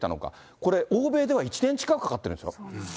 これ、欧米では１年近くかかってるんですか。